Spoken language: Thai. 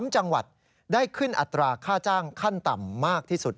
๓จังหวัดได้ขึ้นอัตราค่าจ้างขั้นต่ำมากที่สุด